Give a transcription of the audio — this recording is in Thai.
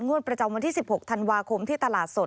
งวดประจำวันที่๑๖ธันวาคมที่ตลาดสด